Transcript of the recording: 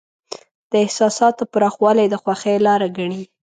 د احساساتو پراخوالی د خوښۍ لاره ګڼي.